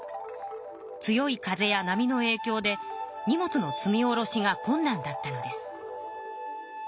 強い風や波のえいきょうで荷物の積みおろしがこんなんだったのです。